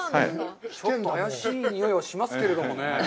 ちょっと怪しいにおいはしますけどね。